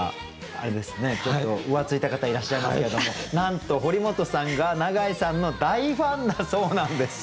ちょっと浮ついた方いらっしゃいますけどもなんと堀本さんが永井さんの大ファンだそうなんです！